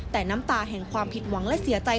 แต่น้ำตาแห่งความผิดหวังและเสียใจ